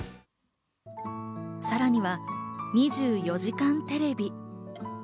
さらには『２４時間テレビ』。